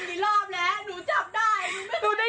พวกชาวบ้านเค้าก็เอา